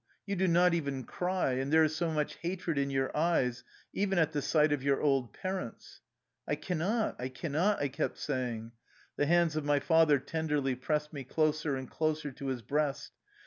You do not even cry, and there is so much hatred in your eyes, even at the sight of your old par ents." "I can not, I can not," I kept saying. The hands of my father tenderly pressed me closer and closer to his breast.